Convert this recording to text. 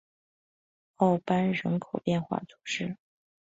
奥班人口变化图示